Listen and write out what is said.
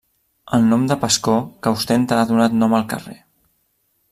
El nom de Pascó que ostenta ha donat nom al carrer.